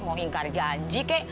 mau ingkar janji kek